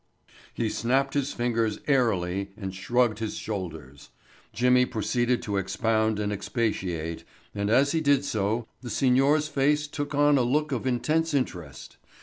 He snapped his fingers airily and shrugged his shoulders. Jimmy proceeded to expound and expatiate, and as he did so the signor's face took on a look of intense interest.